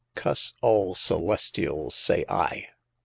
Cuss all Celestials, say I